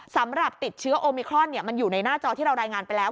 สำหรับติดเชื้อโอมิครอนมันอยู่ในหน้าจอที่เรารายงานไปแล้ว